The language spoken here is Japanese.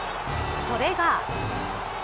それが。